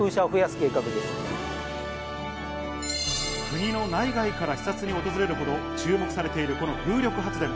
国の内外から視察に訪れるほど注目されているこの風力発電。